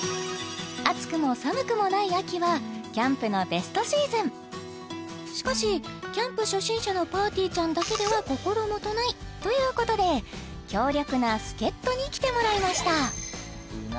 暑くも寒くもないしかしキャンプ初心者のぱーてぃーちゃんだけでは心もとないということで強力な助っ人に来てもらいました！